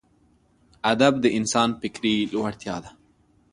ادب د انسان فکري لوړتیا ده.